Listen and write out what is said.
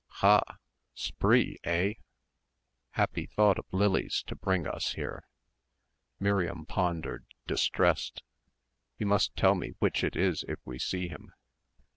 "Hah! Spree, eh? Happy thought of Lily's to bring us here." Miriam pondered, distressed. "You must tell me which it is if we see him."